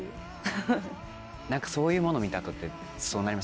何かそういうもの見た後ってそうなりますよね。